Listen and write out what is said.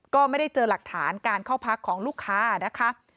ก็ไม่ได้เจอหลักฐานการเข้าพักของลูกค้านะคะ